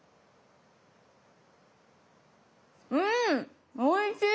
うんおいしい！